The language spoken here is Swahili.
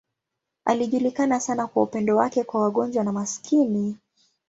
Alijulikana sana kwa upendo wake kwa wagonjwa na maskini.